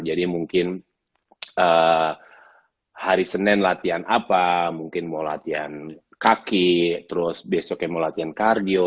jadi mungkin hari senin latihan apa mungkin mau latihan kaki terus besoknya mau latihan kardio